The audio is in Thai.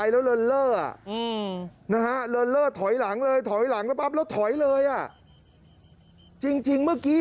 ถึงท่งนี้